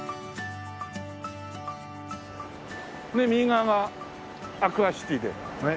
右側がアクアシティでね。